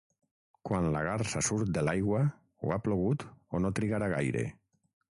Quan la garsa surt de l'aigua, o ha plogut o no trigarà gaire.